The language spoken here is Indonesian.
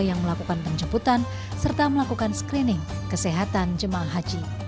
yang melakukan penjemputan serta melakukan screening kesehatan jemaah haji